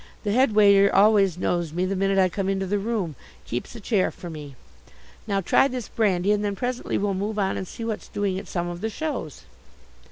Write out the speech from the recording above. The headwaiter always knows me the minute I come into the room keeps a chair for me. Now try this brandy and then presently we'll move on and see what's doing at some of the shows."